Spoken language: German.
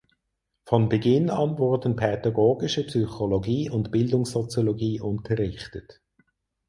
Von Beginn an wurden Pädagogische Psychologie und Bildungssoziologie unterrichtet.